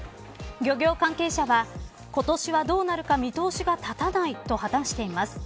漁業関係者は、今年はどうなるか見通しが立たないと話しています。